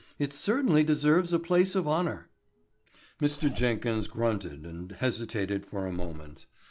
"It certainly deserves a place of honor." Mr. Jenkins grunted and hesitated for a moment.